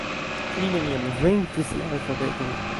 Li neniam venkis la alfabeton.